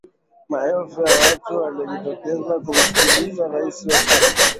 Maelfu ya watu waliojitokeza kumsikiliza rais wa chama